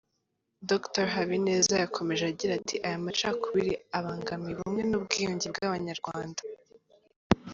Dr Habineza yakomeje agira ati “Aya macakubiri abangamiye ubumwe n’ubwiyunge bw’abanyarwanda.